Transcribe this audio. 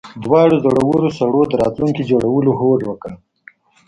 دواړو زړورو سړو د راتلونکي جوړولو هوډ وکړ